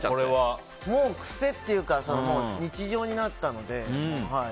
癖っていうか日常になったので。